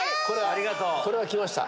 これはきました。